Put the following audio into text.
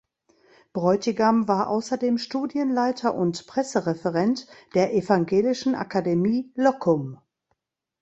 Bräutigam war außerdem Studienleiter und Pressereferent der Evangelischen Akademie Loccum.